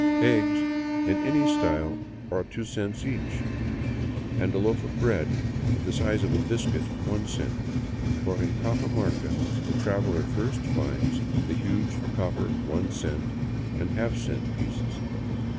Eggs " in any style are two cents each, and a loaf of bread, of the size of a biscuit, one cent — for in Cajamarca the traveler first finds the huge copper one cent and half cent pieces.